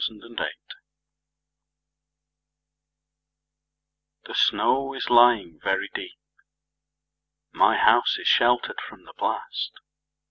Convention THE SNOW is lying very deep.My house is sheltered from the blast.